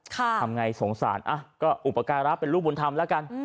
ทำไงสงสารก็อุปการะเป็นลูกบุญธรรมแล้วกัน